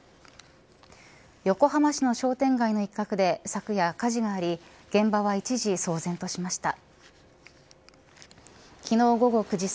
横浜市の商店街の一角で昨夜火事があり現場は一時騒然としました。